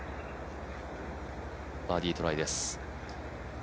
バーディートライです。